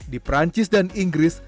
di perancis dan inggris